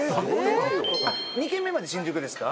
あっ２軒目まで新宿ですか？